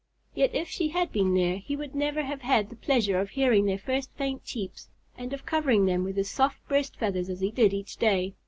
Yet if she had been there he would never have had the pleasure of hearing their first faint cheeps, and of covering them with his soft breast feathers as he did each day.